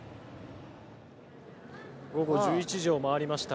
午後１１時を回りました。